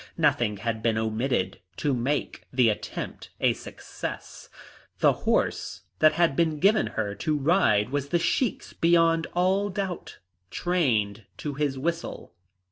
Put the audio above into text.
Nothing had been omitted to make the attempt a success. The horse that had been given her to ride was the Sheik's beyond all doubt, trained to his whistle.